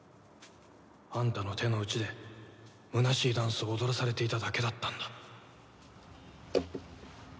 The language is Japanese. あんたの手の内で空しいダンスを踊らされていただけだったんだ